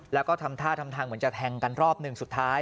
แล้วก็ทำท่าทำทางเหมือนจะแทงกันรอบหนึ่งสุดท้าย